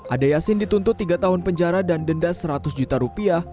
ade yasin dituntut tiga tahun penjara dan denda seratus juta rupiah